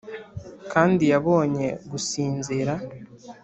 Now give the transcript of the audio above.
kandi yabonye gusinzira